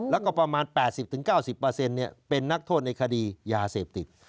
แล้วก็ประมาณ๘๐๙๐เป็นนักโทษในคดียาเสพติด